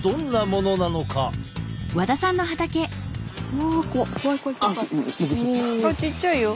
あっちっちゃいよ。